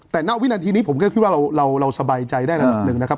แต่ณวินาทีนี้ผมก็คิดว่าเราสบายใจได้ระดับหนึ่งนะครับ